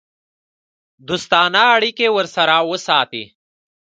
دوستانه اړیکې ورسره وساتي.